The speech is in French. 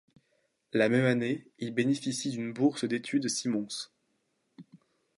La même année il bénéficie d'une bourse d'étude Simons.